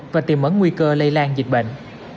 và tiềm mấn nguy cơ lây lan dịch bệnh